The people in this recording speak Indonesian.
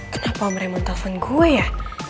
kenapa om raymond telpon gue ya